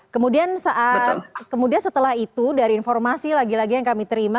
kemudian saat kemudian setelah itu dari informasi lagi lagi yang kami terima